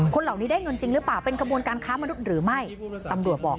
คนเหล่านี้ได้เงินจริงหรือเปล่า